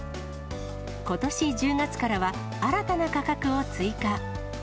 ことし１０月からは新たな価格を追加。